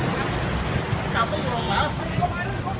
ไม่เคยสามารถอยู่ในหลักแขนประตู